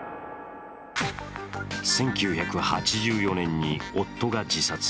１９８４年に夫が自殺。